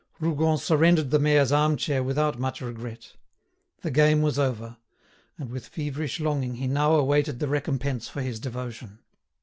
Rougon surrendered the mayor's arm chair without much regret. The game was over; and with feverish longing he now awaited the recompense for his devotion.